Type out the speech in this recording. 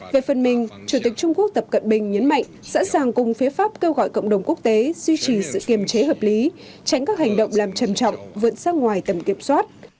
về phần mình chủ tịch trung quốc tập cận bình nhấn mạnh sẵn sàng cùng phía pháp kêu gọi cộng đồng quốc tế duy trì sự kiềm chế hợp lý tránh các hành động làm trầm trọng vượt sang ngoài tầm kiểm soát